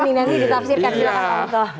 ini ditafsirkan silahkan mbak bukto